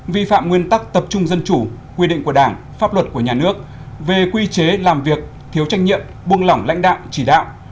vi phạm nguyên tắc tập trung dân chủ quy định của đảng pháp luật của nhà nước về quy chế làm việc thiếu trách nhiệm buông lỏng lãnh đạo chỉ đạo